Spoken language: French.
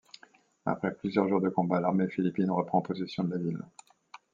Après plusieurs jours de combats, l'armée philippine reprend possession de la ville.